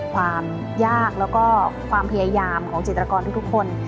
ความยากและพยายามของจิตรกรทุ่คน